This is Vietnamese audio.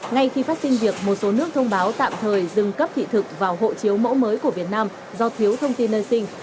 ngay khi phát sinh việc một số nước thông báo tạm thời dừng cấp thị thực vào hộ chiếu mẫu mới của việt nam do thiếu thông tin nơi sinh